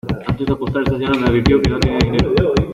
antes de apostar, esta señora me advirtió que no tenía dinero.